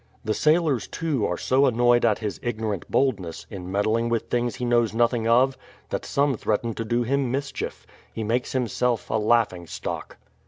The sailors, too, are so annoyed at his ignorant boldness, in meddling with things he knows nothing of, that some threaten to do him mischief. He makes himself a laughing stock.